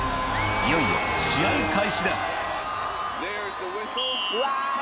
いよいよ試合開始だ